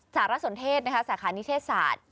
สารสนเทศสาขานิเทศศาสตร์